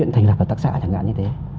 thành lập hợp tác xã chẳng hạn như thế